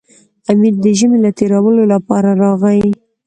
امیر د ژمي له تېرولو لپاره راغی.